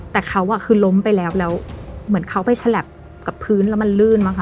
แต่เขาคือล้มไปแล้วแล้วเหมือนเขาไปฉลับกับพื้นแล้วมันลื่นมั้